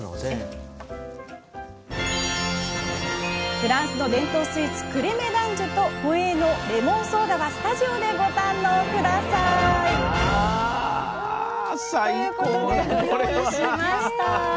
フランスの伝統スイーツ「クレメ・ダンジュ」と「ホエーのレモンソーダ」はスタジオでご堪能下さい！ということでご用意しました。